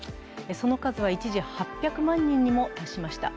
その数は一時、８００万人にも達しました。